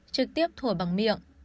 trực tiếp thổi bằng miệng